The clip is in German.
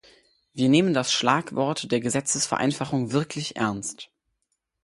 Wir nehmen das Schlagwort der Gesetzesvereinfachung wirklich ernst.